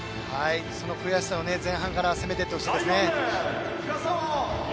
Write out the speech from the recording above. その悔しさを前半から攻めていってほしいです。